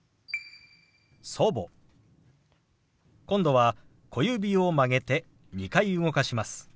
今度は小指を曲げて２回動かします。